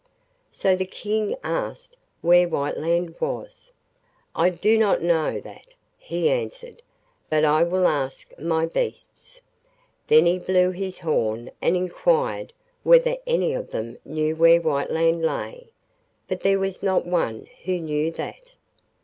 So the King asked where Whiteland was. 'I do not know that,' he answered, 'but I will ask my beasts.' Then he blew his horn and inquired whether any of them knew where Whiteland lay, but there was not one who knew that.